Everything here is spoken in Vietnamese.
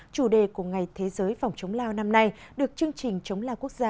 chủ đề của ngày thế giới phòng chống lao năm nay được chương trình chống lao quốc gia